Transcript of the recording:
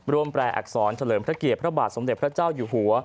แปลอักษรเฉลิมพระเกียรติพระบาทสมเด็จพระเจ้าอยู่หัว